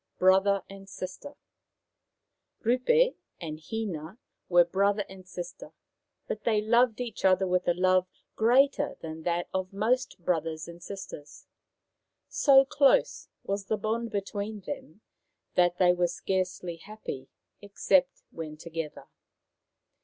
BROTHER AND SISTER Rupe and Hina were brother and sister, but they loved each other with a love greater than that of most brothers and sisters. So close was the bond between them that they were scarcely happy except when together.